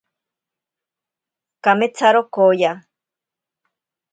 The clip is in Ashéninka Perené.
Kametsaro kooya.